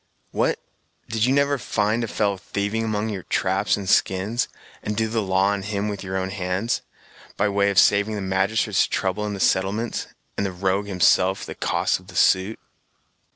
"What! did you never find a fellow thieving among your traps and skins, and do the law on him with your own hands, by way of saving the magistrates trouble in the settlements, and the rogue himself the cost of the suit!"